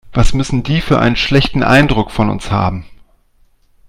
Was müssen die für einen schlechten Eindruck von uns haben.